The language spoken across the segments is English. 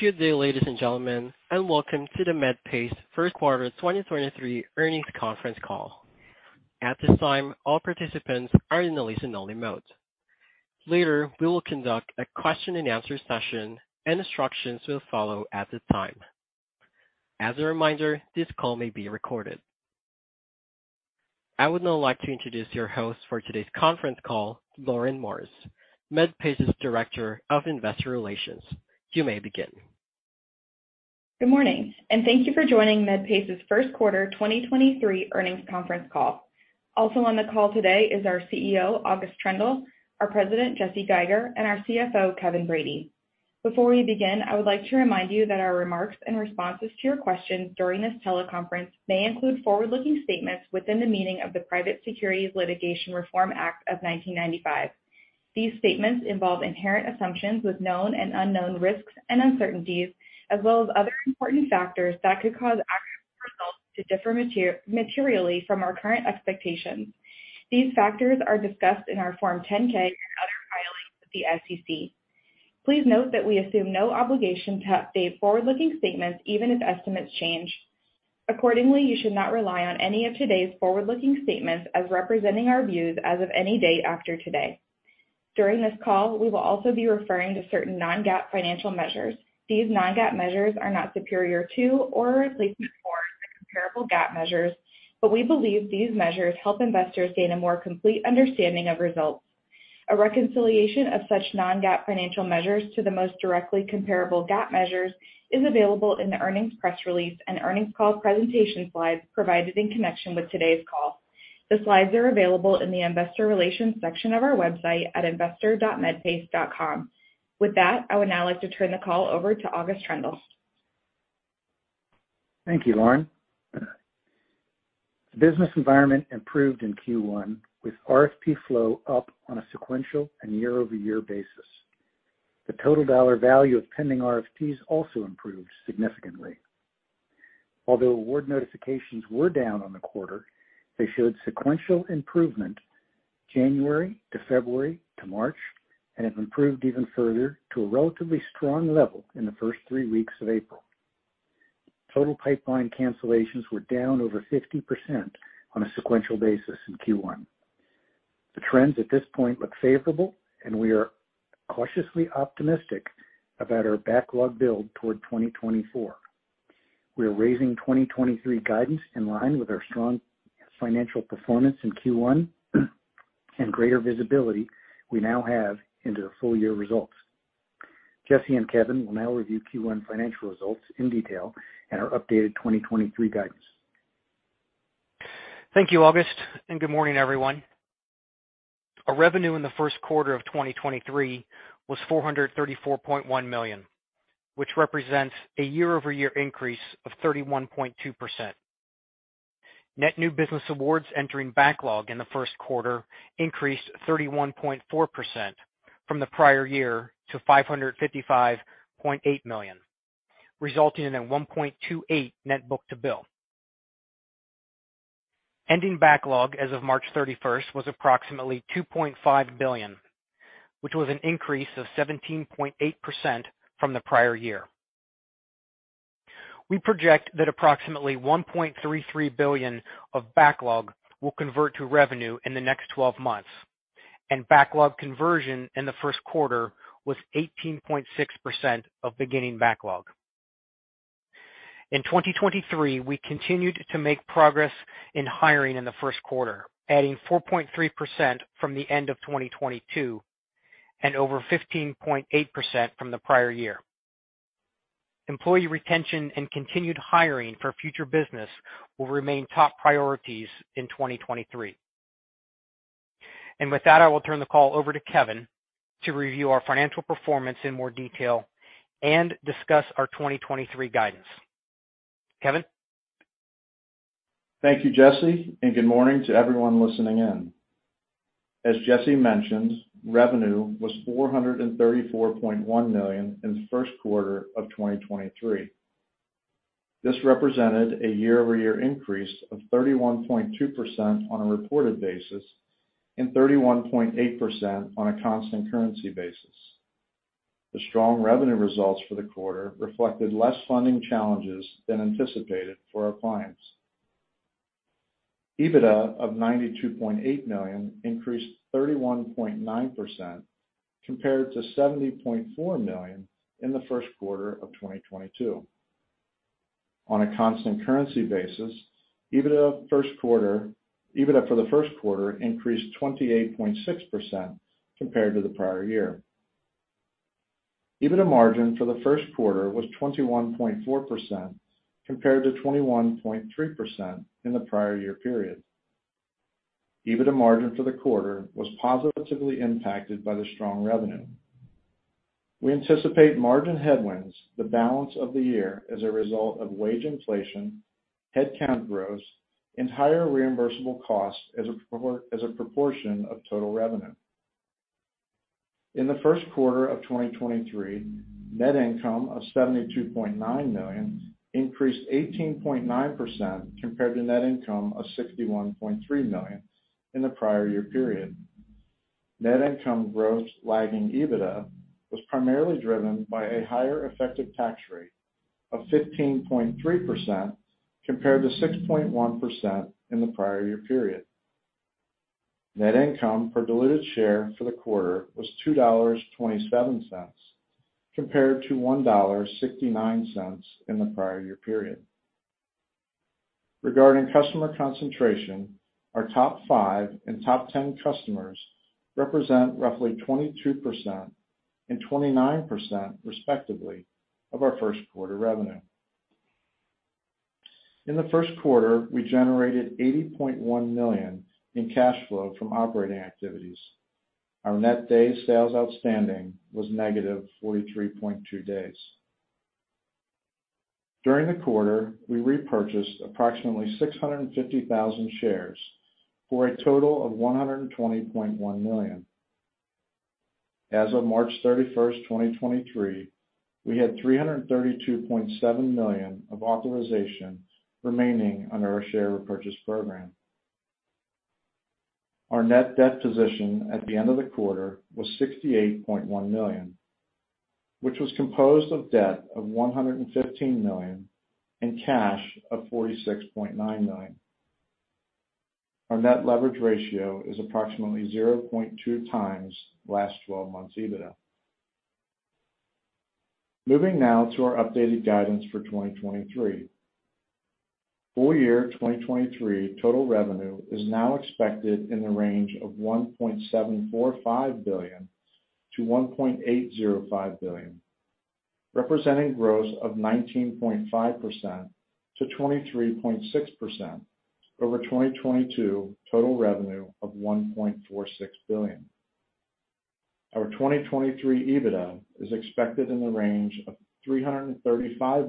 Good day, ladies and gentlemen. Welcome to the Medpace Q1 2023 Earnings Conference Call. At this time, all participants are in a listen-only mode. Later, we will conduct a question and answer session, and instructions will follow at the time. As a reminder, this call may be recorded. I would now like to introduce your host for today's conference call, Lauren Morris, Medpace's Director of Investor Relations. You may begin. Good morning, thank you for joining Medpace's Q1 2023 earnings conference call. Also on the call today is our CEO, August Troendle, our President, Jesse Geiger, and our CFO, Kevin Brady. Before we begin, I would like to remind you that our remarks and responses to your questions during this teleconference may include forward-looking statements within the meaning of the Private Securities Litigation Reform Act of 1995. These statements involve inherent assumptions with known and unknown risks and uncertainties, as well as other important factors that could cause actual results to differ materially from our current expectations. These factors are discussed in our Form 10-K and other filings with the SEC. Please note that we assume no obligation to update forward-looking statements, even if estimates change. Accordingly, you should not rely on any of today's forward-looking statements as representing our views as of any date after today. During this call, we will also be referring to certain non-GAAP financial measures. These non-GAAP measures are not superior to or a replacement for the comparable GAAP measures, but we believe these measures help investors gain a more complete understanding of results. A reconciliation of such non-GAAP financial measures to the most directly comparable GAAP measures is available in the earnings press release and earnings call presentation slides provided in connection with today's call. The slides are available in the investor relations section of our website at investor.medpace.com. With that, I would now like to turn the call over to August Troendle. Thank you, Lauren. The business environment improved in Q1 with RFP flow up on a sequential and year-over-year basis. The total dollar value of pending RFPs also improved significantly. Although award notifications were down on the quarter, they showed sequential improvement January to February to March and have improved even further to a relatively strong level in the first three weeks of April. Total pipeline cancellations were down over 50% on a sequential basis in Q1. The trends at this point look favorable and we are cautiously optimistic about our backlog build toward 2024. We are raising 2023 guidance in line with our strong financial performance in Q1 and greater visibility we now have into the full year results. Jesse and Kevin will now review Q1 financial results in detail and our updated 2023 guidance. Thank you, August. Good morning, everyone. Our revenue in the Q1 of 2023 was $434.1 million, which represents a year-over-year increase of 31.2%. Net new business awards entering backlog in the Q1 increased 31.4% from the prior year to $555.8 million, resulting in a 1.28 net book-to-bill. Ending backlog as of March 31st was approximately $2.5 billion, which was an increase of 17.8% from the prior year. We project that approximately $1.33 billion of backlog will convert to revenue in the next 12 months. Backlog conversion in the Q1 was 18.6% of beginning backlog. In 2023, we continued to make progress in hiring in the Q1, adding 4.3% from the end of 2022 and over 15.8% from the prior year. Employee retention and continued hiring for future business will remain top priorities in 2023. With that, I will turn the call over to Kevin to review our financial performance in more detail and discuss our 2023 guidance. Kevin? Thank you, Jesse. Good morning to everyone listening in. As Jesse mentioned, revenue was $434.1 million in the Q1 of 2023. This represented a year-over-year increase of 31.2% on a reported basis and 31.8% on a constant currency basis. The strong revenue results for the quarter reflected less funding challenges than anticipated for our clients. EBITDA of $92.8 million increased 31.9% compared to $70.4 million in the Q1 of 2022. On a constant currency basis, EBITDA for the Q1 increased 28.6% compared to the prior year. EBITDA margin for the Q1 was 21.4% compared to 21.3% in the prior year period. EBITDA margin for the quarter was positively impacted by the strong revenue. We anticipate margin headwinds the balance of the year as a result of wage inflation, headcount growth, and higher reimbursable costs as a proportion of total revenue. In the Q1 of 2023, net income of $72.9 million increased 18.9% compared to net income of $61.3 million in the prior year period. Net income growth lagging EBITDA was primarily driven by a higher effective tax rate of 15.3% compared to 6.1% in the prior year period. Net income per diluted share for the quarter was $2.27 compared to $1.69 in the prior year period. Regarding customer concentration, our top 5 and top 10 customers represent roughly 22% and 29%, respectively, of our Q1 revenue. In the Q1, we generated $80.1 million in cash flow from operating activities. Our net Days Sales Outstanding was -43.2 days. During the quarter, we repurchased approximately 650,000 shares for a total of $120.1 million. As of March 31, 2023, we had $332.7 million of authorizations remaining under our share repurchase program. Our net debt position at the end of the quarter was $68.1 million, which was composed of debt of $115 million and cash of $46.9 million. Our net leverage ratio is approximately 0.2 times last twelve months EBITDA. Moving now to our updated guidance for 2023. Full year 2023 total revenue is now expected in the range of $1.745 billion-$1.805 billion, representing growth of 19.5%-23.6% over 2022 total revenue of $1.46 billion. Our 2023 EBITDA is expected in the range of $335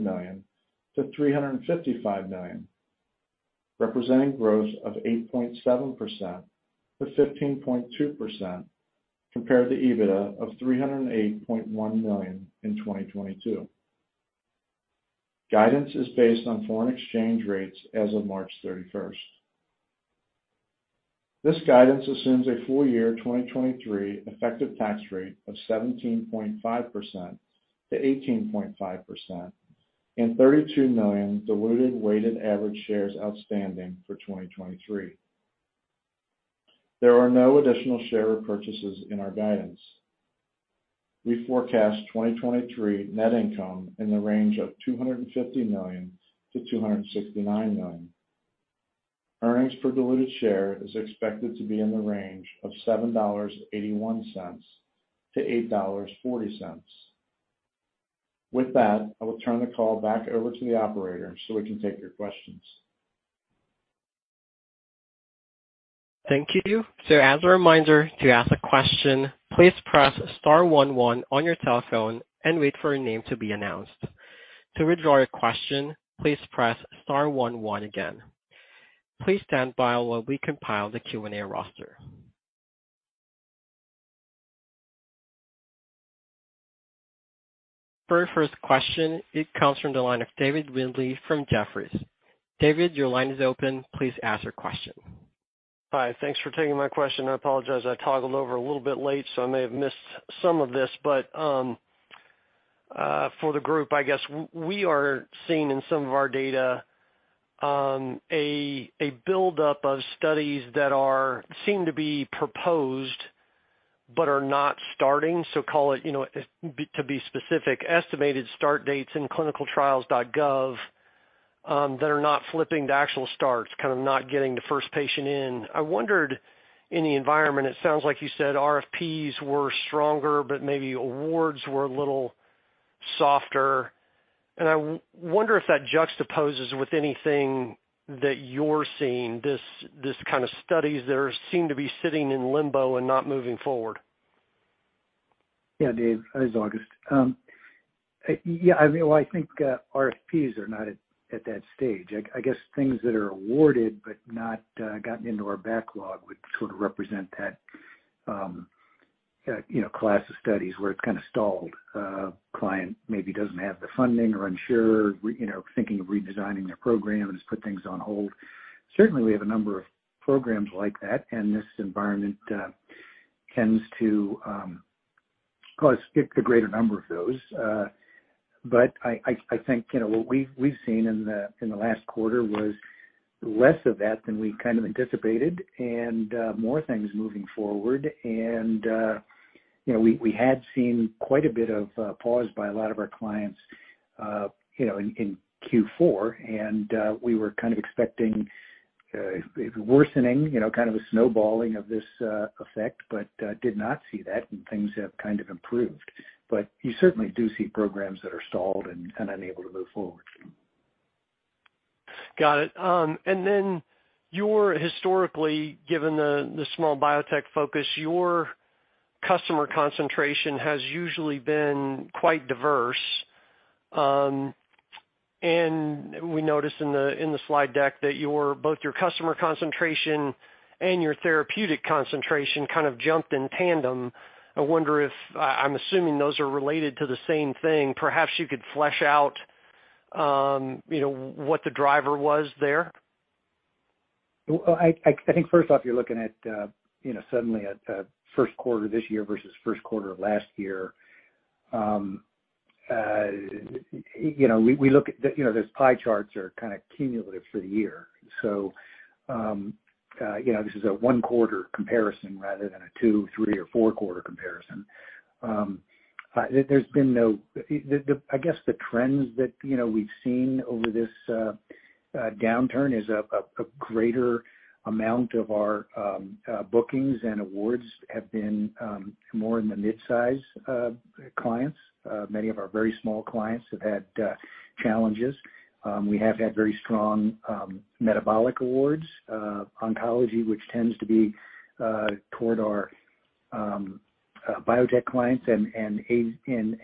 million-$355 million, representing growth of 8.7%-15.2% compared to EBITDA of $308.1 million in 2022. Guidance is based on foreign exchange rates as of March 31st. This guidance assumes a full year 2023 effective tax rate of 17.5%-18.5% and 32 million diluted weighted average shares outstanding for 2023. There are no additional share repurchases in our guidance. We forecast 2023 net income in the range of $250 million-$269 million. Earnings per diluted share is expected to be in the range of $7.81-$8.40. With that, I will turn the call back over to the operator, so we can take your questions. Thank you. As a reminder, to ask a question, please press star one one on your telephone and wait for your name to be announced. To withdraw your question, please press star one one again. Please stand by while we compile the Q&A roster. Very first question. It comes from the line of David Windley from Jefferies. David, your line is open. Please ask your question. Hi. Thanks for taking my question. I apologize, I toggled over a little bit late, so I may have missed some of this. For the group, I guess we are seeing in some of our data, a buildup of studies that seem to be proposed but are not starting. Call it to be specific, estimated start dates in ClinicalTrials.gov that are not flipping to actual starts, kind of not getting the first patient in. I wondered in the environment, it sounds like you said RFPs were stronger, but maybe awards were a little softer. I wonder if that juxtaposes with anything that you're seeing, this kind of studies that seem to be sitting in limbo and not moving forward. Yeah, Dave, this is August. Yeah, I mean, well, I think RFPs are not at that stage. I guess things that are awarded but not gotten into our backlog would sort of represent that class of studies where it's kinda stalled. Client maybe doesn't have the funding or unsure thinking of redesigning their program, has put things on hold. Certainly, we have a number of programs like that, this environment tends to cause it's a greater number of those. I think what we've seen in the last quarter was less of that than we kind of anticipated and more things moving forward. We had seen quite a bit of pause by a lot of our clients in Q4. We were kind of expecting a worsening kind of a snowballing of this effect, but, did not see that and things have kind of improved. You certainly do see programs that are stalled and unable to move forward. Got it. Historically, given the small biotech focus, your customer concentration has usually been quite diverse. We noticed in the slide deck that both your customer concentration and your therapeutic concentration kind of jumped in tandem. I'm assuming those are related to the same thing. Perhaps you could flesh out what the driver was there. Well, I think first off, you're looking at suddenly at Q1 this year versus Q1 of last year. Those pie charts are kinda cumulative for the year. This is a Q1 comparison rather than a Q2, Q3, Q4 comparison. There's been no. I guess the trends that we've seen over this downturn is a greater amount of our bookings and awards have been more in the mid-size clients. Many of our very small clients have had challenges. We have had very strong metabolic awards, oncology, which tends to be toward our biotech clients and aid and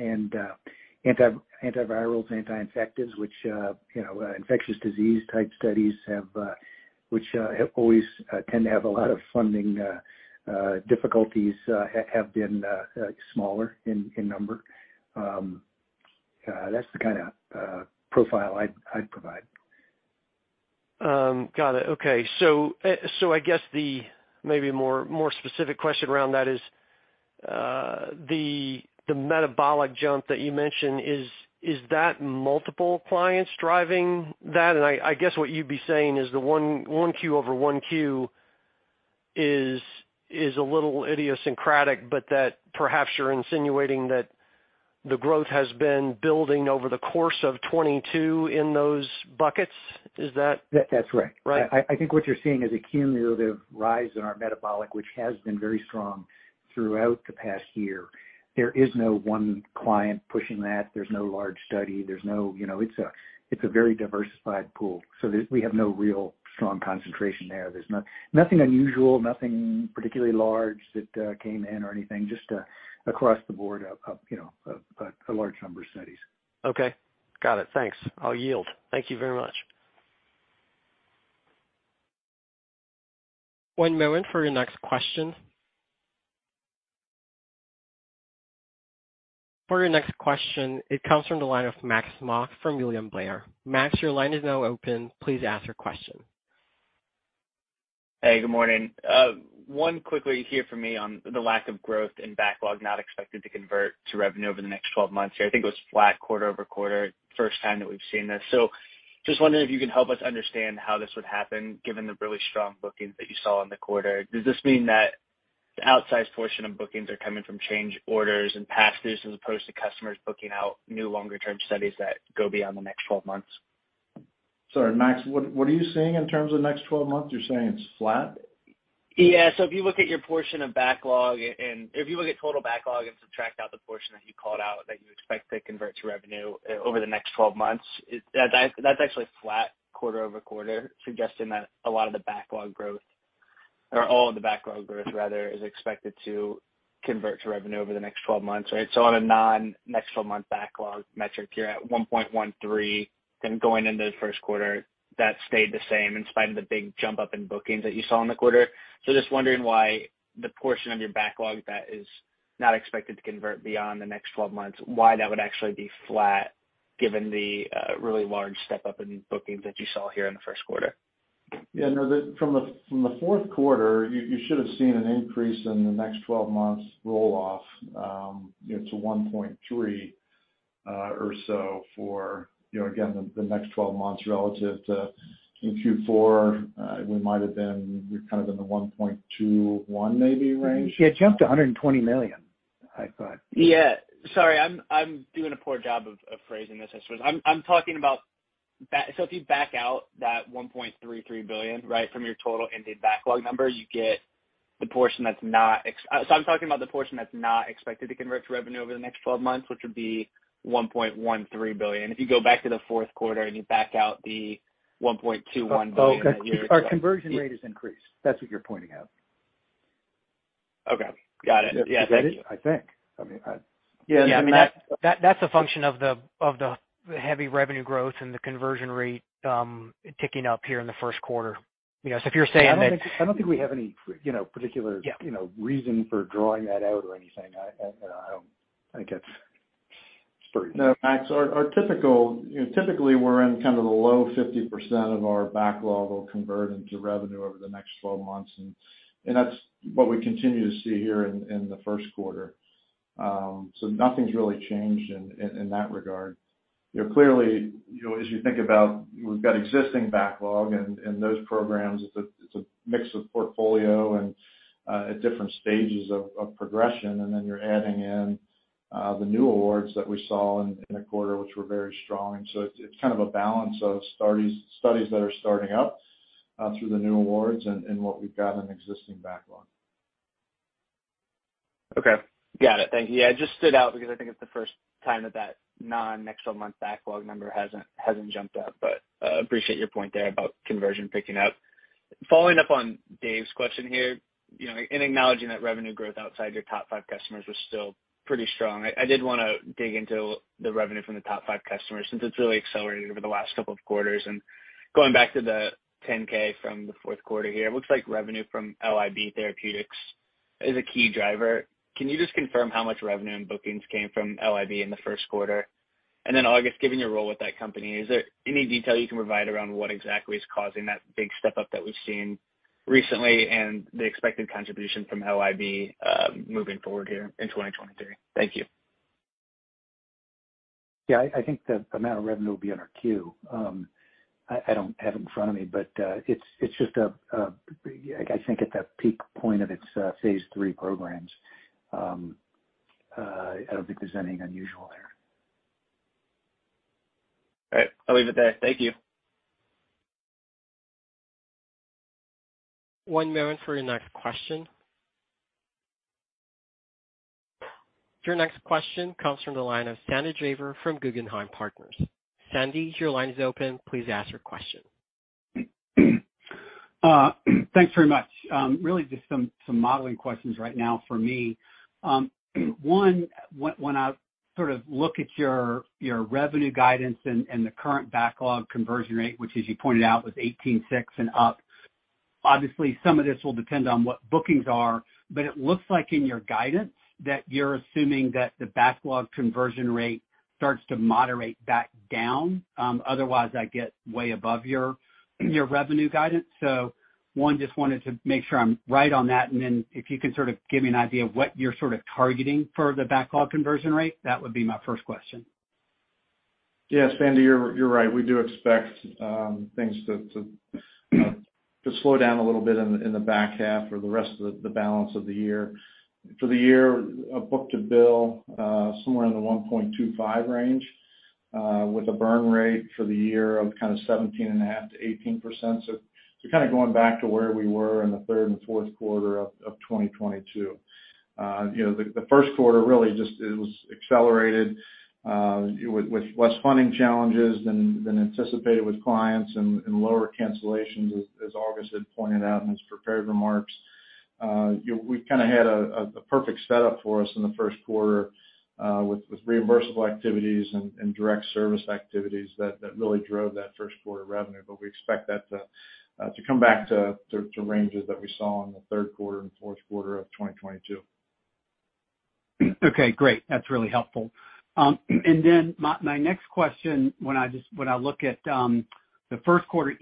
anti-virals, anti-infectives, which infectious disease type studies have, which always tend to have a lot of funding difficulties, have been smaller in number. That's the kinda profile I'd provide. Got it. Okay. I guess the maybe more specific question around that is the metabolic jump that you mentioned, is that multiple clients driving that? I guess what you'd be saying is the 1Q over 1Q is a little idiosyncratic, but that perhaps you're insinuating that the growth has been building over the course of 2022 in those buckets. Is that? That's right. I think what you're seeing is a cumulative rise in our metabolic, which has been very strong throughout the past year. There is no one client pushing that. There's no large study. There's no, it's a, it's a very diversified pool. We have no real strong concentration there. Nothing unusual, nothing particularly large that came in or anything, just across the board of a large number of studies. Okay. Got it. Thanks. I'll yield. Thank you very much. One moment for your next question. For your next question, it comes from the line of Max Smock from William Blair. Max, your line is now open. Please ask your question. Good morning. One quickly here for me on the lack of growth and backlog not expected to convert to revenue over the next 12 months here. I think it was flat quarter-over-quarter, first time that we've seen this. Just wondering if you could help us understand how this would happen given the really strong bookings that you saw in the quarter. Does this mean that the outsized portion of bookings are coming from change orders and pass-throughs as opposed to customers booking out new longer term studies that go beyond the next 12 months? Sorry, Max, what are you seeing in terms of next 12 months? You're saying it's flat? Yeah. If you look at your portion of backlog and if you look at total backlog and subtract out the portion that you called out that you expect to convert to revenue over the next 12 months, that's actually flat quarter-over-quarter, suggesting that a lot of the backlog growth or all of the backlog growth rather, is expected to convert to revenue over the next 12 months, right? On a non next 12-month backlog metric, you're at 1.13. Going into the Q1, that stayed the same in spite of the big jump up in bookings that you saw in the quarter. Just wondering why the portion of your backlog that is not expected to convert beyond the next 12 months, why that would actually be flat given the really large step up in bookings that you saw here in the Q1? No, from the Q4, you should have seen an increase in the next 12 months roll off to 1.3 or so for, again, the next 12 months relative to in Q4, we might have been kind of in the 1.21 maybe range. It jumped to $120 million, I thought. Sorry, I'm doing a poor job of phrasing this, I suppose. I'm talking about. If you back out that $1.33 billion right from your total ended backlog number, you get the portion that's not. I'm talking about the portion that's not expected to convert to revenue over the next 12 months, which would be $1.13 billion. If you go back to the Q4 and you back out the $1.21 billion that you're. Our conversion rate has increased. That's what you're pointing out. Okay. Got it. Yeah. Thank you. Is that it, I think? Yeah. I mean, that's a function of the heavy revenue growth and the conversion rate ticking up here in the Q1. If you're saying. I don't think we have any reason for drawing that out or anything. I don't think it's pretty. No, Max. Typically we're in kind of the low 50% of our backlog will convert into revenue over the next 12 months. That's what we continue to see here in the Q1. Nothing's really changed in that regard. Clearly, as you think about we've got existing backlog and those programs, it's a mix of portfolio and at different stages of progression. Then you're adding in the new awards that we saw in the quarter, which were very strong. It's kind of a balance of studies that are starting up through the new awards and what we've got in existing backlog. Okay. Got it. Thank you. Yeah, it just stood out because I think it's the first time that that non next 12-month backlog number hasn't jumped up. Appreciate your point there about conversion picking up. Following up on Dave's question here, in acknowledging that revenue growth outside your top five customers was still pretty strong. I did wanna dig into the revenue from the top five customers since it's really accelerated over the last couple of quarters. Going back to the Form 10-K from the Q4 here, it looks like revenue from LIB Therapeutics is a key driver. Can you just confirm how much revenue and bookings came from LIB in the Q1? August, given your role with that company, is there any detail you can provide around what exactly is causing that big step up that we've seen recently and the expected contribution from LIB moving forward here in 2023? Thank you. Yeah, I think the amount of revenue will be on our queue. I don't have it in front of me, I think at that peak point of its phase three programs. I don't think there's anything unusual there. All right, I'll leave it there. Thank you. One moment for your next question. Your next question comes from the line of Sandy Draper from Guggenheim Partners. Sandy, your line is open. Please ask your question. Thanks very much. Really just some modeling questions right now for me. One, when I sort of look at your revenue guidance and the current backlog conversion rate, which as you pointed out was 18.6 and up, obviously some of this will depend on what bookings are, but it looks like in your guidance that you're assuming that the backlog conversion rate starts to moderate back down. Otherwise I get way above your revenue guidance. One, just wanted to make sure I'm right on that, and then if you can sort of give me an idea of what you're sort of targeting for the backlog conversion rate, that would be my first question. Yes, Sandy, you're right. We do expect things to slow down a little bit in the back half or the rest of the balance of the year. For the year, a book-to-bill somewhere in the 1.25 range with a burn rate for the year of kind of 17.5%-18%. Kind of going back to where we were in the third and Q4 of 2022. The Q1 really just it was accelerated with less funding challenges than anticipated with clients and lower cancellations as August had pointed out in his prepared remarks. We've kind of had a perfect setup for us in the Q1, with reimbursable activities and direct service activities that really drove that Q1 revenue. We expect that to come back to ranges that we saw in the Q3 and Q4 of 2022. Okay, great. That's really helpful. My, my next question, when I look at the Q1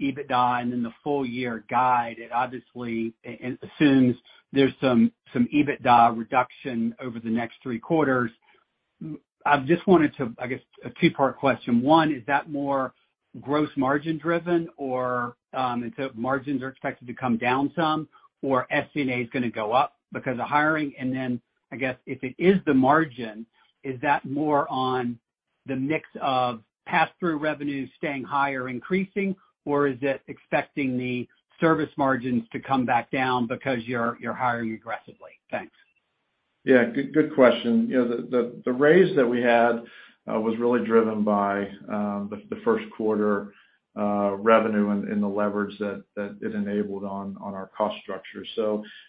EBITDA and then the full year guide, it obviously assumes there's some EBITDA reduction over the next three quarters. I just wanted to, I guess, a two-part question. One, is that more gross margin driven or, and so margins are expected to come down some or SG&A is gonna go up because of hiring? I guess if it is the margin, is that more on the mix of pass through revenues staying higher increasing or is it expecting the service margins to come back down because you're hiring aggressively? Thanks. Yeah, good question. The raise that we had was really driven by the Q1 revenue and the leverage that it enabled on our cost structure.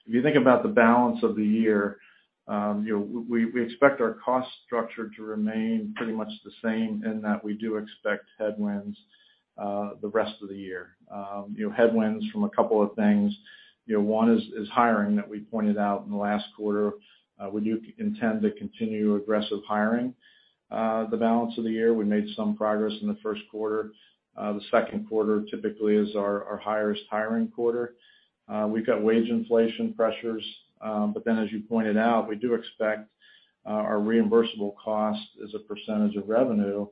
If you think about the balance of the year, we expect our cost structure to remain pretty much the same in that we do expect headwinds the rest of the year. Headwinds from a couple of things. One is hiring that we pointed out in the last quarter. We do intend to continue aggressive hiring the balance of the year. We made some progress in the Q1. The Q2 typically is our highest hiring quarter. We've got wage inflation pressures, but then as you pointed out, we do expect our reimbursable cost as a % of revenue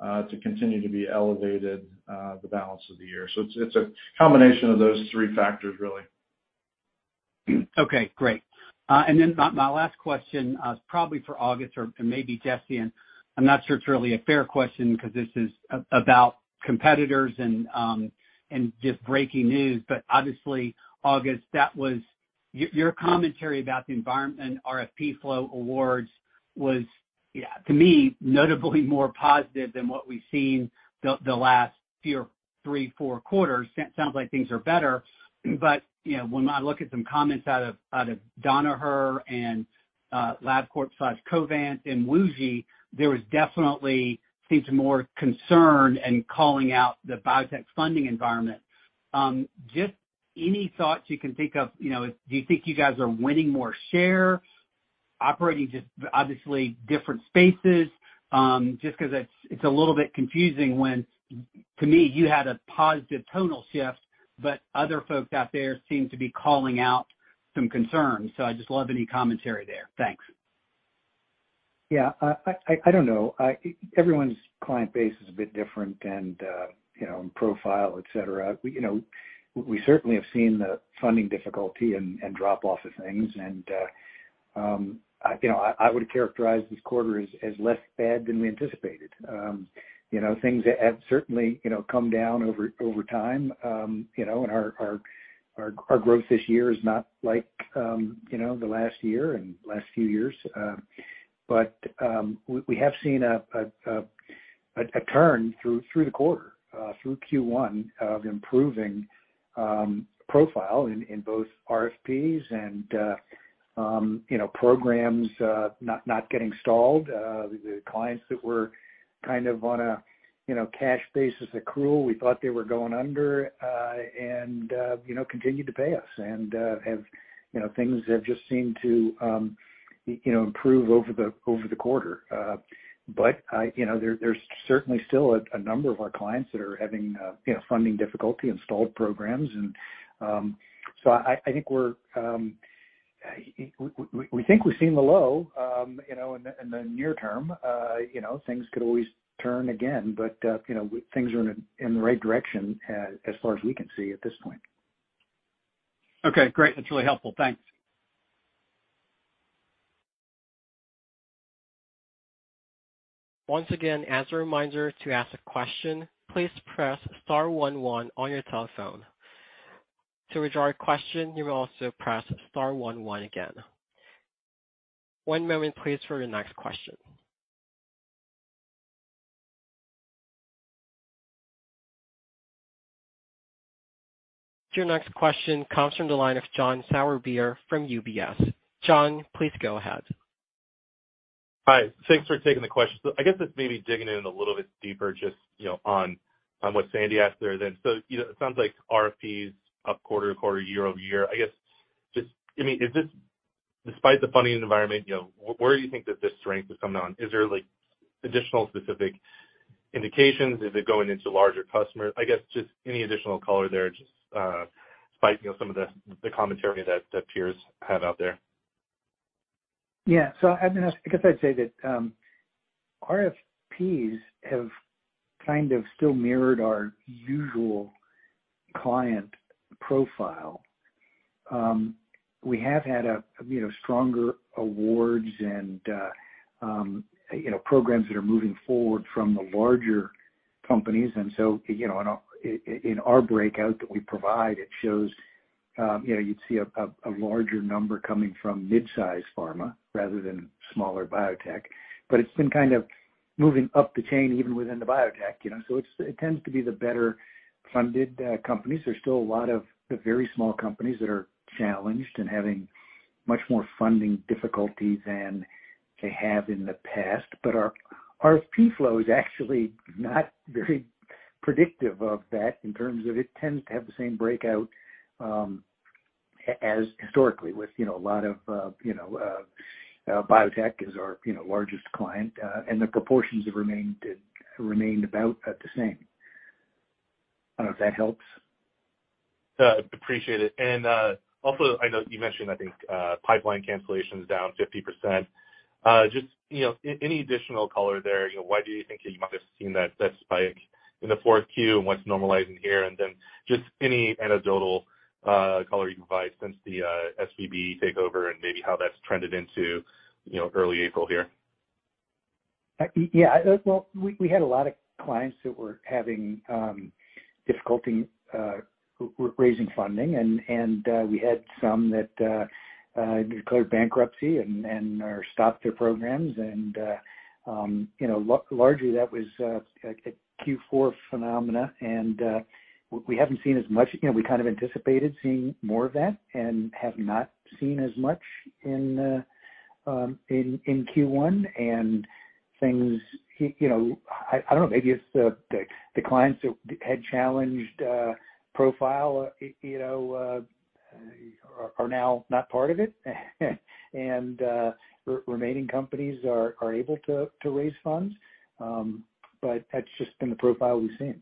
to continue to be elevated the balance of the year. It's a combination of those three factors really. Okay, great. And then my last question is probably for August or, and maybe Jesse, and I'm not sure it's really a fair question because this is about competitors and just breaking news. Obviously August, Your commentary about the environment and RFP flow awards was, yeah, to me, notably more positive than what we've seen the last Q2, Q3, Q4. Sounds like things are better. When I look at some comments out of Danaher and Labcorp/Covance and WuXi, there was definitely seems more concern in calling out the biotech funding environment. Just any thoughts you can think of. Do you think you guys are winning more share operating just obviously different spaces? Just because it's a little bit confusing when to me you had a positive tonal shift, but other folks out there seem to be calling out some concerns. I'd just love any commentary there. Thanks. I don't know. Everyone's client base is a bit different and profile, et cetera. We certainly have seen the funding difficulty and drop off of things. I would characterize this quarter as less bad than we anticipated. Things have certainly, come down over time. Our growth this year is not like last year and last few years. We have seen a turn through the quarter through Q1 of improving profile in both RFPs and programs not getting stalled. The clients that were kind of on a cash basis accrual. We thought they were going under, and continued to pay us and, have. Things have just seemed to improve over the, over the quarter. There's certainly still a number of our clients that are having funding difficulty, installed programs and. I think we're, we think we've seen the low in the near term. Things could always turn again, but things are in the right direction as far as we can see at this point. Okay, great. That's really helpful. Thanks. Once again, as a reminder to ask a question, please press star one one on your telephone. To withdraw a question, you may also press star one one again. One moment please for your next question. Your next question comes from the line of Dan Leonard from UBS. Dan, please go ahead. Hi. Thanks for taking the question. I guess it's maybe digging in a little bit deeper just on what Sandy asked there. It sounds like RFPs up quarter-to-quarter, year-over-year. I guess, just. I mean, is this despite the funding environment, where do you think that this strength is coming on? Is there like additional specific indications? Is it going into larger customers? I guess just any additional color there, just despite some of the commentary that peers have out there. Yeah. So I mean, I guess I'd say that RFPs have kind of still mirrored our usual client profile. We have had a stronger awards and programs that are moving forward from the larger companies. In our breakout that we provide, it shows you'd see a larger number coming from mid-size pharma rather than smaller biotech. It's been kind of moving up the chain even within the biotech. It tends to be the better funded companies. There's still a lot of the very small companies that are challenged and having much more funding difficulty than they have in the past. Our RFP flow is actually not very predictive of that in terms of it tends to have the same breakout as historically with a lot of biotech is our largest client. The proportions have remained about at the same. I don't know if that helps? Yeah, appreciate it. Also, I know you mentioned I think pipeline cancellation is down 50%. Just any additional color there? Why do you think you might have seen that spike in the Q4, and what's normalizing here? Then just any anecdotal color you can provide since the SVB takeover and maybe how that's trended into early April here. Well, we had a lot of clients that were having difficulty raising funding and we had some that declared bankruptcy and are stopped their programs. Largely that was a Q4 phenomena. We haven't seen as much. We kind of anticipated seeing more of that and have not seen as much in Q1. Things, I don't know, maybe it's the clients that had challenged profile are now not part of it. Remaining companies are able to raise funds. But that's just been the profile we've seen.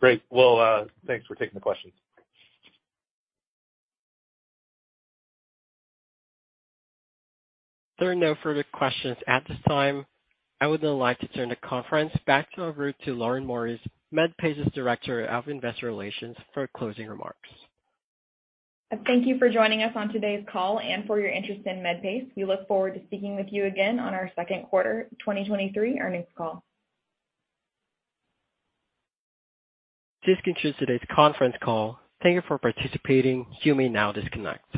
Great. Well, thanks for taking the questions. There are no further questions at this time. I would now like to turn the conference back over to Lauren Morris, Medpace's Director of Investor Relations, for closing remarks. Thank you for joining us on today's call and for your interest in Medpace. We look forward to speaking with you again on our Q2 2023 earnings call. This concludes today's conference call. Thank you for participating. You may now disconnect.